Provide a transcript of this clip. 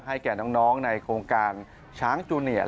แก่น้องในโครงการช้างจูเนียร์